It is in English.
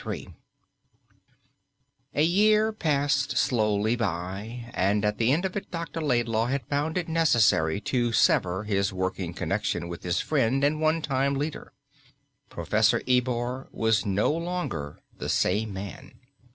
3 A year passed slowly by, and at the end of it Dr. Laidlaw had found it necessary to sever his working connexion with his friend and one time leader. Professor Ebor was no longer the same man.